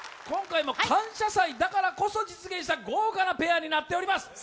今回も「感謝祭」だからこそ実現した豪華なペアになっております